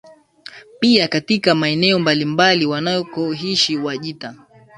pia katika maeneo mbalimbali wanakoishi Wajita